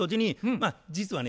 まあ実はね